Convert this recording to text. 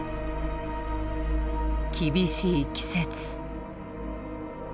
厳しい季節。